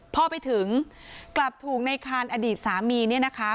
พอไปถึงกลับถูกในคานอดีตสามีเนี่ยนะคะ